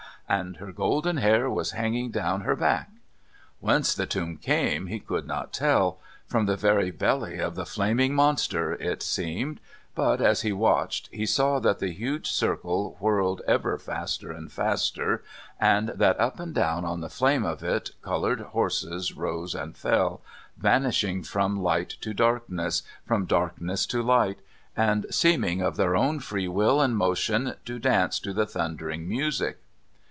"And her golden hair was hanging down her back." Whence the tune came he could not tell; from the very belly of the flaming monster, it seemed; but, as he watched, he saw that the huge circle whirled ever faster and faster, and that up and down on the flame of it coloured horses rose and fell, vanishing from light to darkness, from darkness to light, and seeming of their own free will and motion to dance to the thundering music.